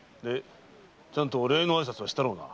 ちゃんとお礼の挨拶はしたろうな。